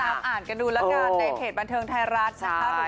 อ่านกันดูแล้วกันในเพจบันเทิงไทยรัฐนะคะ